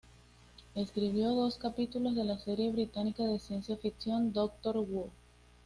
Escribió dos capítulos de la serie británica de ciencia ficción Doctor Who.